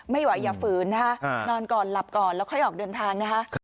อย่าฝืนนะคะนอนก่อนหลับก่อนแล้วค่อยออกเดินทางนะคะ